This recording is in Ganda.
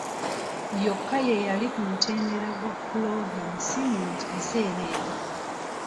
Yokka ye yali ku mutendera gwa pulovinsi mu biseera ebyo.